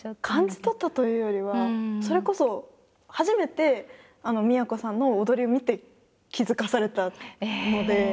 感じ取ったというよりはそれこそ初めて都さんの踊りを見て気付かされたので。